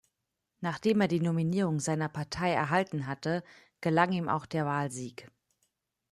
Nachdem er die Nominierung seiner Partei erhalten hatte gelang ihm auch der Wahlsieg.